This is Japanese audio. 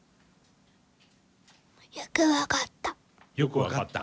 よく分かった。